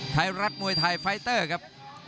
ไทยรัฐมวยไทยไฟเตอร์ครับ